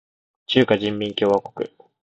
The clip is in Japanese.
中華人民共和国